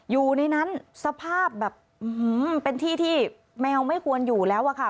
อยู่ในนั้นสภาพแบบเป็นที่ที่แมวไม่ควรอยู่แล้วอะค่ะ